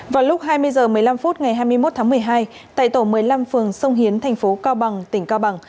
vào lúc hai mươi h một mươi năm phút ngày hai mươi một tháng một mươi hai tại tổ một mươi năm phường sông hiến thành phố cao bằng tỉnh cao bằng